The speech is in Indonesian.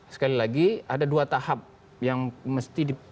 sekali lagi ada dua tahap yang mesti dipakai oleh seorang